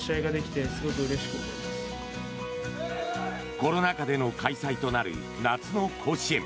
コロナ禍での開催となる夏の甲子園。